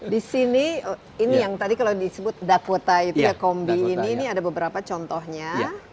disini ini yang tadi kalau disebut dakota itu ya kombi ini ada beberapa contohnya